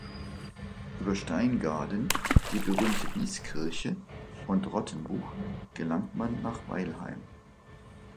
Über Steingaden, die berühmte Wieskirche und Rottenbuch gelangte man nach Weilheim.